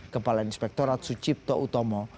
kepala inspektorat sucipto utomo